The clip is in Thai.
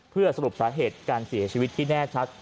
เพื่อสรุปสาเหตุการเสียชีวิตที่แน่ชัด